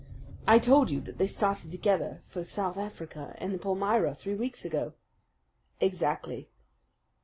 I told you that they started together for South Africa in the Palmyra three weeks ago." "Exactly."